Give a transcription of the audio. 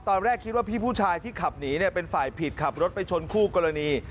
ตอนแรกคิดว่าพี่ผู้ชายที่ขับหนีเป็นฝ่ายผิดขับรถไปชนคู่กรณี